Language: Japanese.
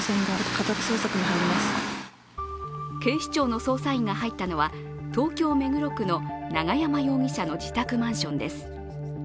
警視庁の捜査員が入ったのは東京・目黒区の永山容疑者の自宅マンションです。